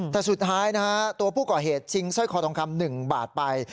แต่สุดท้ายนะฮะตัวผู้ก่อเหตุชิงสร้อยคอทองคำ๑บาทไป